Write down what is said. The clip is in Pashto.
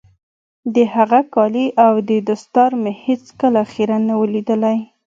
د هغه کالي او دستار مې هېڅ کله خيرن نه وو ليدلي.